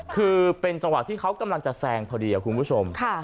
คือเป็นจังหวะที่เขากำลังจะแซงพอดีคุณผู้ชม